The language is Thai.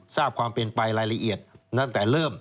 ทราบความเป็นไปรายละเอียดตั้งแต่เริ่ม